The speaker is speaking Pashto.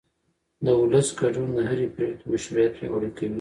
د ولس ګډون د هرې پرېکړې مشروعیت پیاوړی کوي